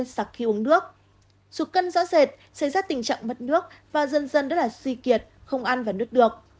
mất nước và dân dân rất suy kiệt không ăn và nuốt được